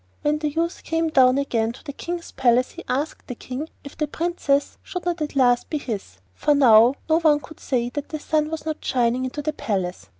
When the youth came down again to the King's palace he asked the King if the Princess should not at last be his, for now no one could say that the sun was not shining into the palace.